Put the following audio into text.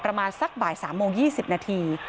ประมาณสักบ่าย๓โมง๒๐นาที